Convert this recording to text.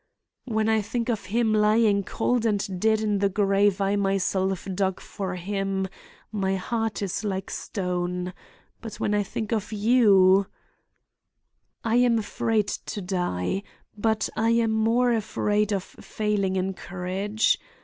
"When I think of him lying cold and dead in the grave I myself dug for him, my heart is like stone, but when I think of you— "I am afraid to die; but I am more afraid of failing in courage.